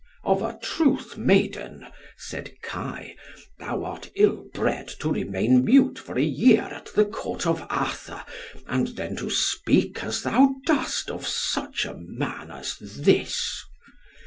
"Of a truth, maiden," said Kai, "thou art ill bred to remain mute for a year at the Court of Arthur and then to speak as thou dost of such a man as this."